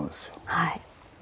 はい。